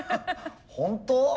本当？